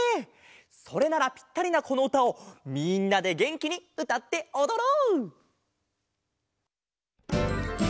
それならピッタリなこのうたをみんなでげんきにうたっておどろう。